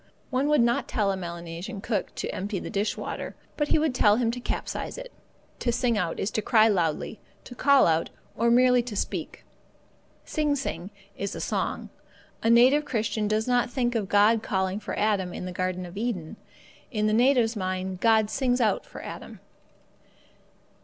One would not tell a Melanesian cook to empty the dish water, but he would tell him to capsize it. To sing out is to cry loudly, to call out, or merely to speak. Sing sing is a song. The native Christian does not think of God calling for Adam in the Garden of Eden; in the native's mind, God sings out for Adam.